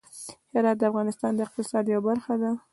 هرات د افغانستان د اقتصاد یوه برخه ده.